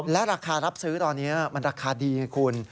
และราคารับซื้อตอนนี้มันราคาดีไงคุณ